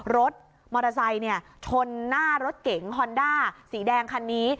รถมอเตอร์ไซค์ชนหน้ารถเก๋งฮอนด้าสีแดงคันนี้